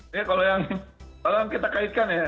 ini kalau yang tolong kita kaitkan ya